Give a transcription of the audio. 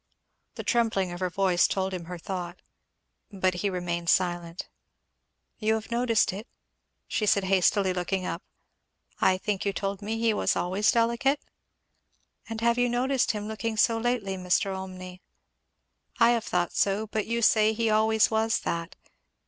The trembling of her voice told him her thought. But he remained silent. "You have noticed it?" she said hastily, looking up. "I think you have told me he always was delicate?" "And you have noticed him looking so lately, Mr. Olmney?" "I have thought so, but you say he always was that.